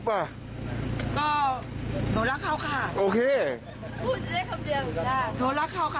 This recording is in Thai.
ป่ะก็หนูรักเขาค่ะโอเคพูดได้คำเดียวหนูรักเขาค่ะ